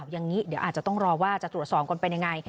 อย่างนี้เดี๋ยวอาจจะต้องรอว่าจะตรวจสอบกันเป็นยังไง